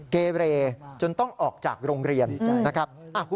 เกเรจนต้องออกจากโรงเรียนนะครับ